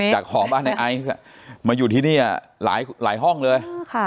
ของบ้านในไอซ์มาอยู่ที่นี่หลายห้องเลย